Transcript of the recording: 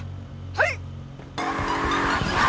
はい！